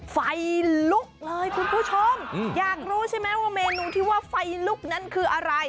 ไฟลุกเลยคุณผู้ชมอยากรู้ใช่ไหมว่าเมนูที่ว่าไฟลุกนั้นคืออะไร